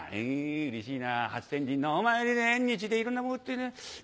「うれしいな初天神のお参りで縁日でいろんなもん売ってる。